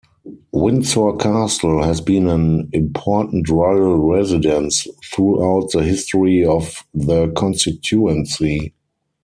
Windsor Castle has been an important royal residence throughout the history of the constituency.